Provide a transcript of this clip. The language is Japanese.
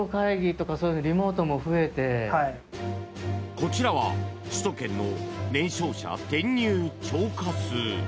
こちらは首都圏の年少者転入超過数。